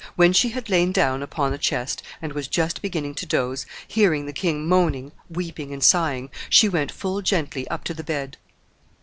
"When she had lain down upon a chest, and was just beginning to doze, hearing the king moaning, weeping, and sighing, she went full gently up to the bed.